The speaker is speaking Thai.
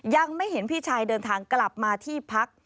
ยังไม่เห็นพี่ชายเดินทางกลับมาที่พัก